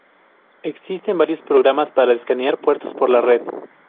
Existen varios programas para escanear puertos por la red.